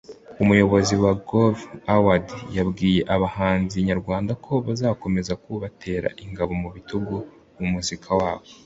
Umuyobozi wa Groove Awards yabwiye abahanzi nyarwanda ko bazakomeza kubatera ingabo mu bitugu mu muziki wabo